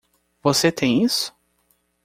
Você tem isso?